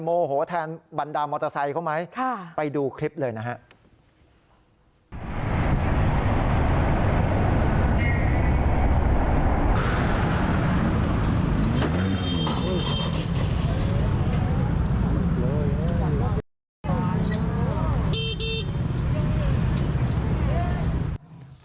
โมโหแทนบรรดามอเตอร์ไซค์เขาไหมไปดูคลิปเลยนะครับ